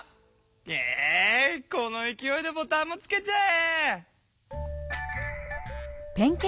えいこのいきおいでボタンもつけちゃえ！